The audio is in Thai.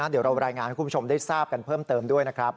เดี๋ยวเรารายงานให้คุณผู้ชมได้ทราบกันเพิ่มเติมด้วยนะครับ